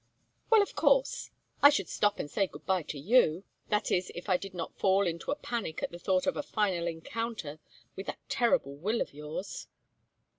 "Well, of course, I should stop and say good bye to you. That is if I did not fall into a panic at the thought of a final encounter with that terrible will of yours."